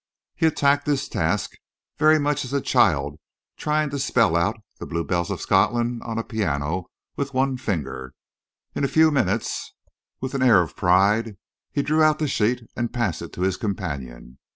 He attacked his task very much as a child trying to spell out "The Bluebells of Scotland" on a piano with one finger. In a few minutes, with an air of pride, he drew out the sheet and passed it to his companion.